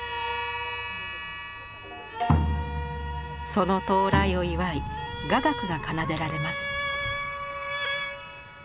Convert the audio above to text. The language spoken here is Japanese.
その到来を祝い雅楽が奏でられます。